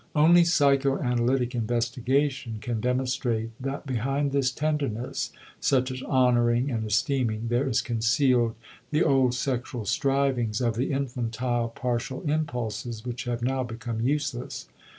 Only psychoanalytic investigation can demonstrate that behind this tenderness, such as honoring and esteeming, there is concealed the old sexual strivings of the infantile partial impulses which have now become useless.